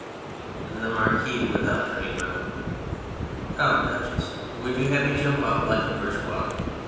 THE MARQUIS (without turning round). Come, Duchess, would you have me jump up like a bour geois